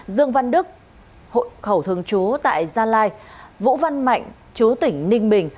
dương văn đức hội khẩu thương chú tại gia lai vũ văn mạnh chú tỉnh ninh bình